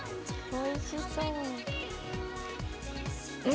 おいしそう。